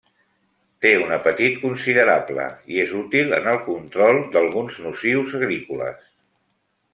Té un apetit considerable, i és útil en el control d'alguns nocius agrícoles.